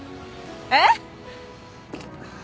えっ？